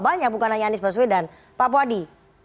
banyak bukan hanya anies baswedan pak puadi